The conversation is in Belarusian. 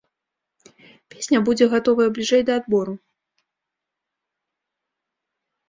Песня будзе гатовая бліжэй да адбору.